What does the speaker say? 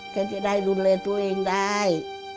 ก็จะได้ดูแลตัวเองได้